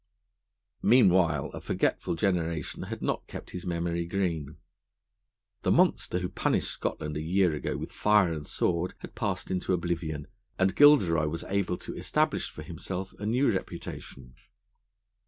Meanwhile, a forgetful generation had not kept his memory green. The monster, who punished Scotland a year ago with fire and sword, had passed into oblivion, and Gilderoy was able to establish for himself a new reputation.